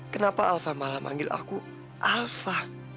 kenapa alva malah manggil aku alva